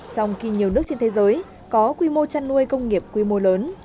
trong khi nhiều nước trên thế giới có quy mô chăn nuôi công nghiệp quy mô lớn